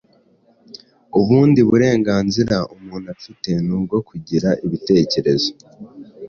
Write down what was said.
Ubundi burenganzira umuntu afite ni ubwo kugira ibitekerezo